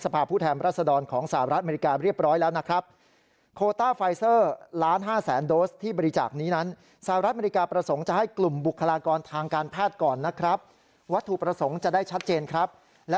ผู้แทนรัศดรของสหรัฐอเมริกาเรียบร้อยแล้วนะครับ